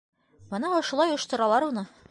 Бына ошолай ойошторалар уны!